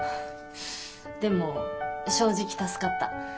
でも正直助かった。